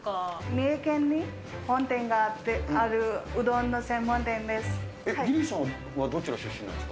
三重県に本店があるうどんの専門店です。